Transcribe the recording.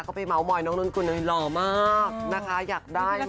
ก็ไปเมาส์มอยน้องนนกุลเลยหล่อมากนะคะอยากได้